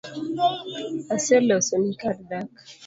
Aseloso ni kar dak